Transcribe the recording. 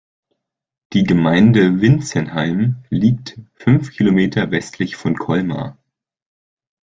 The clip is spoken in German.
Die Gemeinde Wintzenheim liegt fünf Kilometer westlich von Colmar.